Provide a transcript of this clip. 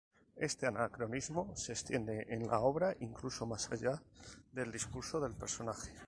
Este anacronismo se extiende en la obra incluso más allá del discurso del personaje.